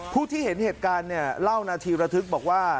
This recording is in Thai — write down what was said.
ผู้ที่เห็นเหตุการณ์เนี่ยเล่านาทีระทึกบอกว่า